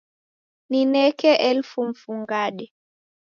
Nineke elfu mfungade